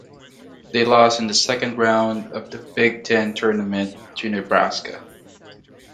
They lost in the second round of the Big Ten Tournament to Nebraska.